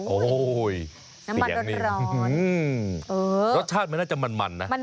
โอ้ยน้ำมันร้อนรสชาติมันน่าจะมันนะ